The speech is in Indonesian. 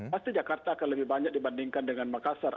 pasti jakarta akan lebih banyak dibandingkan dengan makassar